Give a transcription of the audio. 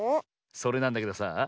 それなんだけどさあ